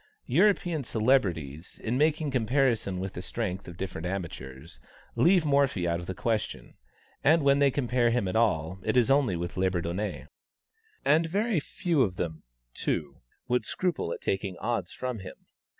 European celebrities, in making comparison of the strength of different amateurs, leave Morphy out of the question; and when they compare him at all, it is only with Labourdonnais. And very few of them, too, would scruple at taking odds from him.